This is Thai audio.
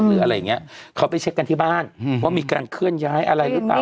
หรืออะไรอย่างเงี้ยเขาไปเช็คกันที่บ้านว่ามีการเคลื่อนย้ายอะไรหรือเปล่า